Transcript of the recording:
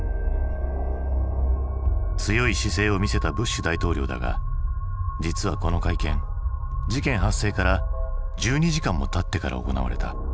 強い姿勢を見せたブッシュ大統領だが実はこの会見事件発生から１２時間もたってから行われた。